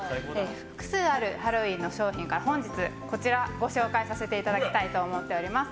複数あるハロウィーンの商品から本日、こちらをご紹介させていただきます。